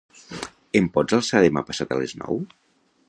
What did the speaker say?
Ens pots alçar demà passat a les nou?